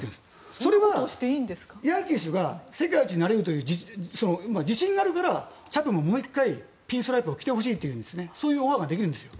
それはヤンキースが世界一になれるという自信があるからチャップマンにまたピンストライプを着てほしいというオファーができるんです。